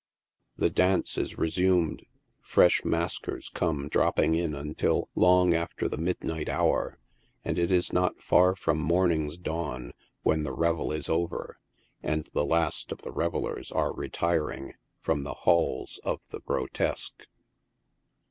The dance is resumed, fresh maskers come dropping in until long after the midnight hour, and it is not far from morning's dawn when the revel is over, and the last of the revellers are retiring from the halls of the grotesque.